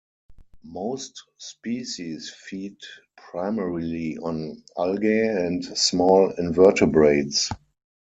Most species feed primarily on algae and small invertebrates.